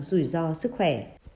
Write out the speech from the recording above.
rủi ro sức khỏe